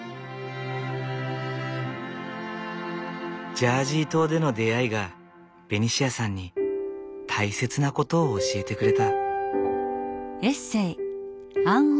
ジャージー島での出会いがベニシアさんに大切なことを教えてくれた。